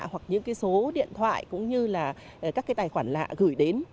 hoặc những số điện thoại cũng như là các tài khoản lạ gửi đến